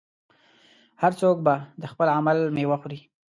هر څوک به د خپل عمل میوه خوري.